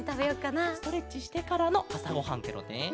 ストレッチしてからのあさごはんケロね。